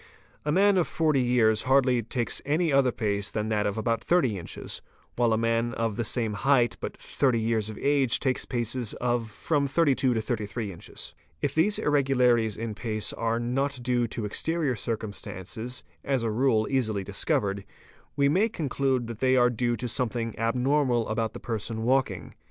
A man of 40 years old hardly takes any other pace than that of q about 30 inches while a man of the same height but 30 years of age | takes paces of from 32 to 33 inches. | If these irregularities in pace are not due to exterior circumstances, q as a rule easily discovered, we may conclude that they are due to some thing abnormal about the person walking.